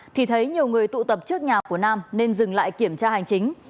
thì thấy nhiều người tụ tập trước nhà của nam nên dừng lại kiểm tra hành chính